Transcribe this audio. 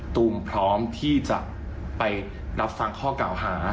ตูมพร้อมที่จะไปรับฟังข้อเก่าหา